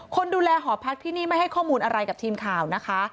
คนดูแลหอพักที่นี่ไม่ให้ข้อมูลอะไรกับทีมข่าวนะคะ